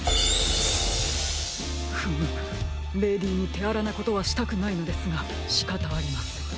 フムムレディーにてあらなことはしたくないのですがしかたありません。